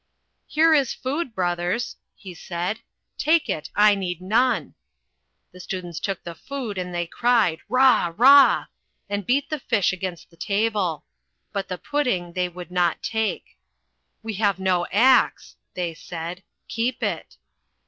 "Here is food, brothers," he said. "Take it. I need none." The students took the food and they cried, "Rah, Rah," and beat the fish against the table. But the pudding they would not take. "We have no axe," they said. "Keep it."